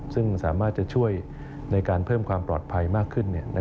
ซึ่งสามารถจะช่วยในการเพิ่มความปลอดภัยมากขึ้น